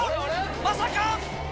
まさか。